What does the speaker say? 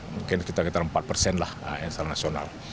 mungkin kita sekitar empat persen lah yang secara nasional